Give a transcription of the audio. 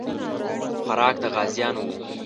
خوراک د غازیانو وو.